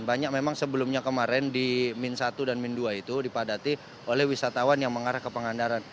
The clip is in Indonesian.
banyak memang sebelumnya kemarin di min satu dan min dua itu dipadati oleh wisatawan yang mengarah ke pangandaran